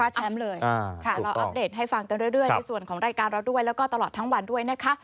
แชมป์เลยค่ะเราอัปเดตให้ฟังกันเรื่อยในส่วนของรายการเราด้วยแล้วก็ตลอดทั้งวันด้วยนะคะ